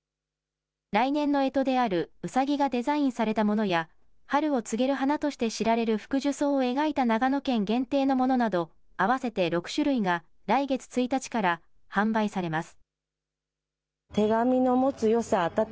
来年のえとであるうさぎがデザインされたものや、春を告げる花として知られる福寿草を描いた長野県限定のものなど、合わせて６種類が、来月１日から販売されます。